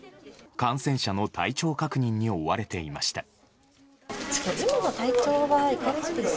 感染者の体調確認に追われていました。